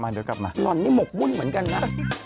เดี๋ยวกลับมาหล่อนนี่หมกวุ่นเหมือนกันนะ